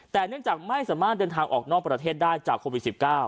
แต่เนื่องจากไม่สามารถเดินทางออกนอกประเทศได้จากโควิด๑๙